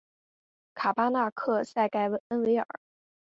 卡巴纳克塞盖恩维尔。